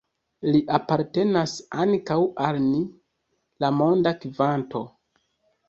Li apartenas ankaŭ al ni, la monda kvanto.